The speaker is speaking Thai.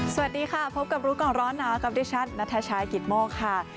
สวัสดีค่ะพบกับลูกกล่องร้อนหนากับดิชันณชายกิตม่อค่ะ